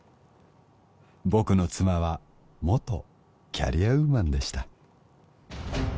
僕の妻は元キャリアウーマンでした